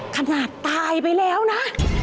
ขนาดตายไปแล้วนะ